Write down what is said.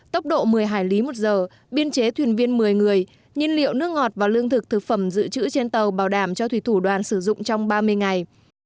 tốc độ một mươi hải lý một giờ biên chế thuyền viên một mươi người nhiên liệu nước ngọt và lương thực thực phẩm dự trữ trên tàu bảo đảm cho thủy thủ đoàn sử dụng trong ba mươi ngày